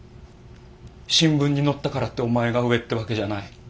新聞に載ったからってお前が上ってわけじゃない。